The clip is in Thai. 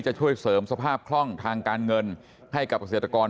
จะช่วยเสริมสภาพคล่องทางการเงินให้กับเกษตรกร